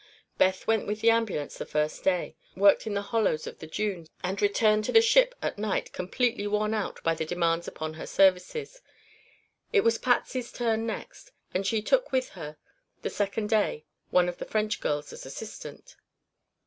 Beth went with the ambulance the first day, worked in the hollows of the dunes, and returned to the ship at night completely worn out by the demands upon her services. It was Patsy's turn next, and she took with her the second day one of the French girls as assistant.